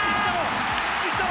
いったろ！